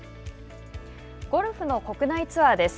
ゴルフの国内ツアーです。